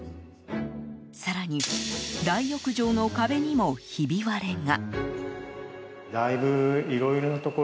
更に、大浴場の壁にもひび割れが。